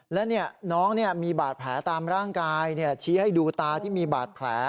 แล้วเนี่ยน้องเนี่ยมีบาดแผลตามร่างกายเนี่ยชี้ให้ดูตาที่มีบาดแผล